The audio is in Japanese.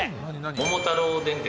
桃太郎電鉄。